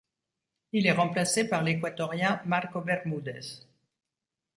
Il est remplacé par l'Équatorien Marco Bermudez.